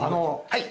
はい。